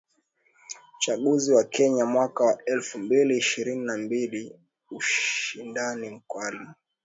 Uchaguzi wa Kenya mwaka wa elfu mbili ishirini na mbili: ushindani mkali.